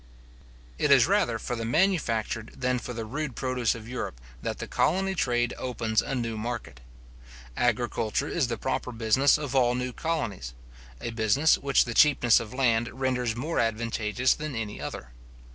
It is rather for the manufactured than for the rude produce of Europe, that the colony trade opens a new market. Agriculture is the proper business of all new colonies; a business which the cheapness of land renders more advantageous than any other.